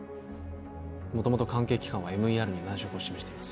もともと関係機関はＭＥＲに難色を示しています